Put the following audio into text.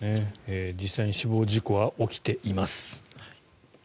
実際に死亡事故は起きています。